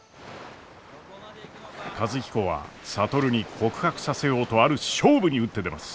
和彦は智に告白させようとある勝負に打って出ます！